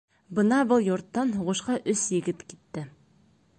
Бына был йорттан һуғышҡа өс егет китте.